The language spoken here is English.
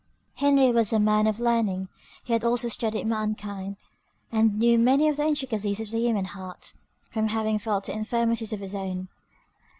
Henry was a man of learning; he had also studied mankind, and knew many of the intricacies of the human heart, from having felt the infirmities of his own.